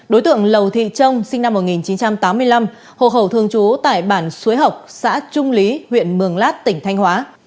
đối tượng lầu thị trông sinh năm một nghìn chín trăm tám mươi năm hộ khẩu thường trú tại bản xuối học xã trung lý huyện mường lát tỉnh thanh hóa